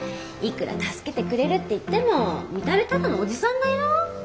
いくら助けてくれるっていっても見た目ただのおじさんだよ？